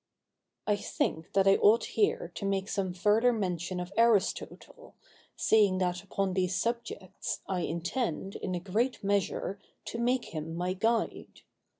I think that I ought here to make some further mention of Aristotle, seeing that upon these subjects, I intend, in a great measure, to make him my guide.